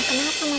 nisa udah bebas